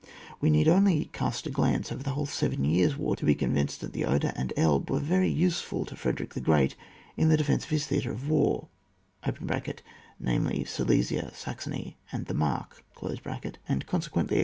We need only cast a glance over the whole Seven Years' War, to be convinced that the Oder and Elbe were very useful to Frederick the Great in the defence of his theatre of war (namely Silesia, Saxony and the Mark), and con sequently a.